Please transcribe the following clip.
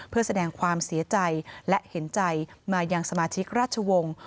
เพื่อแสดงความเสียใจและเห็นใจมายังสมาชิกราชวงศ์